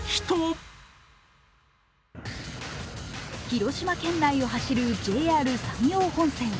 広島県内を走るＪＲ山陽本線。